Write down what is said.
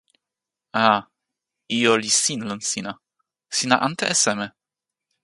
a, ijo li sin lon sina. sina ante e seme?